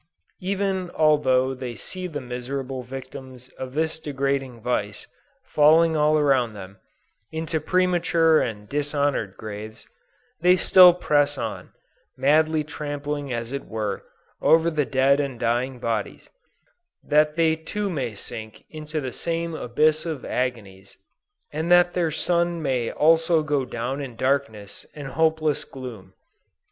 Even although they see the miserable victims of this degrading vice, falling all around them, into premature and dishonored graves, they still press on, madly trampling as it were, over their dead and dying bodies, that they too may sink into the same abyss of agonies, and that their sun may also go down in darkness and hopeless gloom.